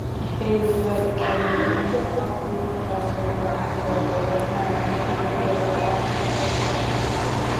Haileybury কলেজে অকৃতকার্য প্রার্থীরা পরীক্ষায় দ্বিতীয়বার অংশ গ্রহণের সুযোগ পেত।